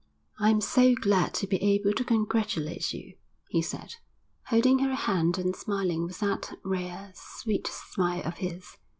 'I'm so glad to be able to congratulate you,' he said, holding her hand and smiling with that rare, sweet smile of his.